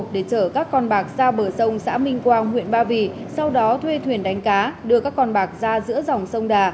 để chở các con bạc ra bờ sông xã minh quang huyện ba vì sau đó thuê thuyền đánh cá đưa các con bạc ra giữa dòng sông đà